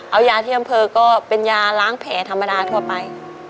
เอายาที่อำเภอก็เป็นยาล้างแผลธรรมดาทั่วไป